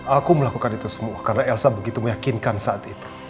aku melakukan itu semua karena elsa begitu meyakinkan saat itu